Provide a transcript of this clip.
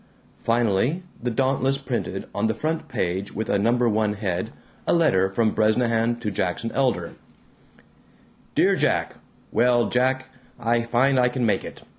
Finally the Dauntless printed, on the front page with a No. 1 head, a letter from Bresnahan to Jackson Elder: DEAR JACK: Well, Jack, I find I can make it.